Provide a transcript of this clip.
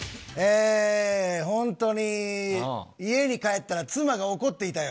本当に、家に帰ったら、妻が怒っていたよ。